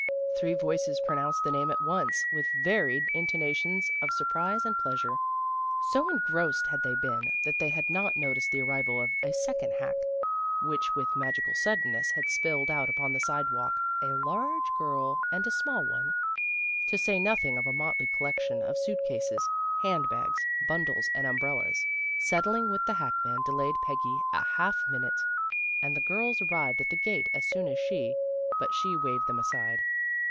" Three voices pronounced the name at once, with varied intonations of sur prise and pleasure. So engrossed had they been that they had not noticed the arrival of a second hack, which with magical suddenness had spilled out upon the sidewalk a large girl and a small one, to say nothing of a motley collection of suit cases, hand bags, bundles and umbrellas. Settling with the hackman delayed Peggy a half minute, and the girls arrived at the gate as soon as she, but she waved them aside.